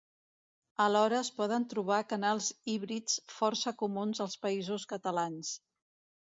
Alhora es poden trobar canals híbrids força comuns als Països Catalans.